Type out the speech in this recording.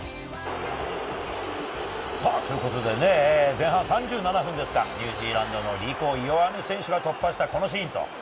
前半３７分、ニュージーランドのリーコ・イオアネ選手が突破したこのシーンです。